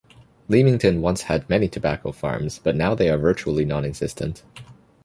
Leamington once had many tobacco farms but now they are virtually nonexistent.